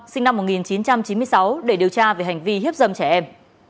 sinh năm một nghìn chín trăm chín mươi sáu để điều tra về hành vi hiếp dâm trẻ em